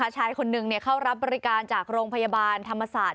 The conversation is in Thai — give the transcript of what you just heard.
ชายคนหนึ่งเข้ารับบริการจากโรงพยาบาลธรรมศาสตร์